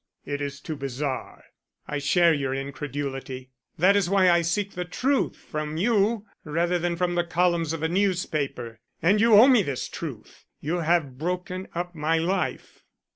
It is too bizarre." "I share your incredulity. That is why I seek the truth from you rather than from the columns of a newspaper. And you owe me this truth. You have broken up my life."